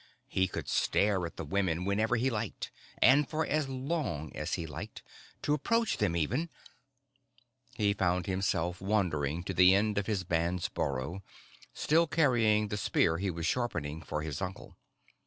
He could stare at the women whenever he liked, for as long as he liked, to approach them even He found himself wandering to the end of his band's burrow, still carrying the spear he was sharpening for his uncle.